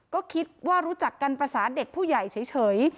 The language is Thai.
ก็คิดว่ารู้จักกันภาษาเด็กผู้ใหญ่เฉย